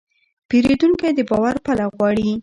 پیرودونکی د باور پله غواړي.